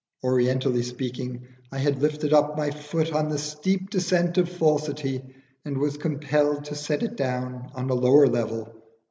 Orientally speaking, I had lifted up my foot on the steep descent of falsity and was compelled to set it down on a lower level.